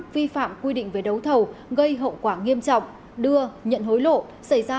vi phạm quy định về đấu thầu gây hậu quả nghiêm trọng đưa nhận hối lộ xảy ra